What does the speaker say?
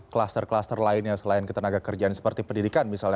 kluster kluster lainnya selain ketenaga kerjaan seperti pendidikan misalnya